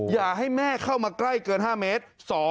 อย่าให้แม่เข้ามาใกล้เกิน๕เมตร